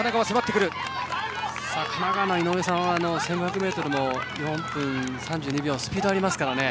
神奈川の井上さんは１５００ｍが４分３２秒スピードがありますからね。